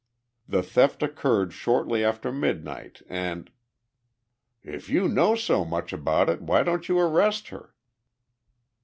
The theft occurred shortly after midnight and " "If you know so much about it, why don't you arrest her?"